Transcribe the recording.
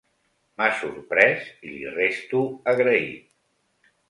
M´ha sorprès i li resto agraït.